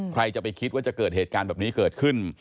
ใครจะไปคิดว่าจะเกิดเหตุการณ์แบบนี้เกิดขึ้น